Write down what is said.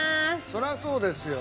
そりゃそうですよ。